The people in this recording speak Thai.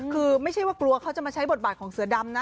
คือไม่ใช่ว่ากลัวเขาจะมาใช้บทบาทของเสือดำนะ